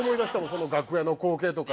その楽屋の光景とか。